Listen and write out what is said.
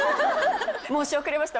申し遅れました